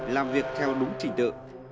làm việc theo đúng trình tự